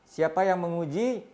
siapa yang menguji